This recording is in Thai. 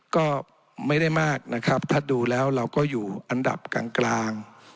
ก็ไม่ได้มากนะครับถ้าดูแล้วเราก็อยู่อันดับกลาง